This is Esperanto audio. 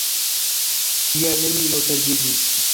Tial, nenio perdiĝis.